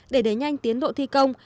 để đế nhanh tiến độ thi công